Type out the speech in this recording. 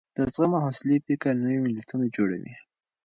د زغم او حوصلې فکر نوي ملتونه جوړوي.